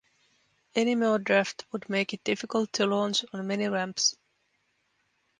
Any more draft would make it difficult to launch on many ramps.